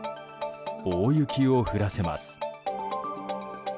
大雪を降らせます。